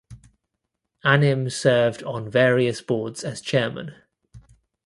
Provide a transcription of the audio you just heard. Anim served on various boards as chairman.